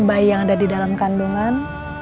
bayi yang ada di dalam kandungan